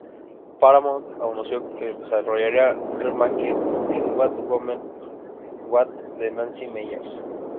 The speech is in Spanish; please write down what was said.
Paramount anunció que desarrollaría un remake de "What Women Want" de Nancy Meyers.